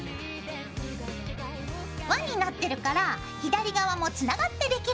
わになってるから左側もつながってできるんだよ。